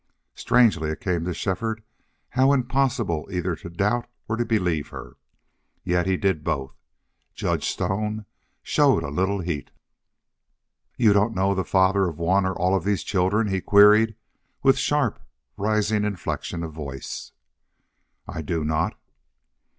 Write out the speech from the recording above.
Strangely it came to Shefford how impossible either to doubt or believe her. Yet he did both! Judge Stone showed a little heat. "You don't know the father of one or all of these children?" he queried, with sharp rising inflection of voice. "I do not."